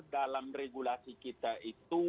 dalam regulasi kita itu